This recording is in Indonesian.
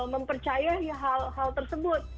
mempercayai hal hal tersebut